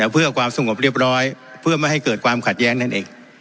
เพื่อความสงบเรียบร้อยเพื่อไม่ให้เกิดความขัดแย้งนั่นเอง